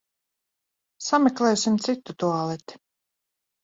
Sameklēsim citu tualeti.